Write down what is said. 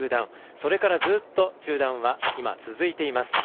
それからずっと中断は続いています。